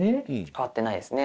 変わってないですね。